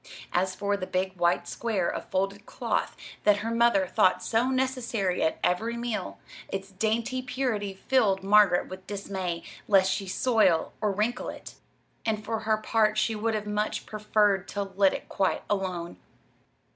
As for the big white square of folded cloth that her mother thought so necessary at every meal its dainty purity filled Margaret with dismay lest she soil or wrinkle it; and for her part she would have much preferred to let it quite alone.